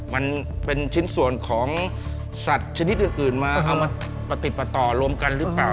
มันเป็นชิ้นส่วนของสัตว์ชนิดอื่นมาเอามาประติดประต่อรวมกันหรือเปล่า